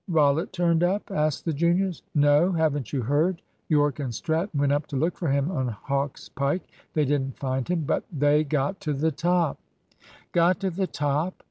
Rollitt turned up?" asked the juniors. "No; haven't you heard? Yorke and Stratton went up to look for him on Hawk's Pike. They didn't find him, but they got to the top!" "Got to the top!